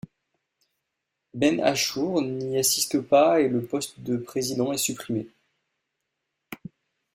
Ben Achour n'y assiste pas et le poste de président est supprimé.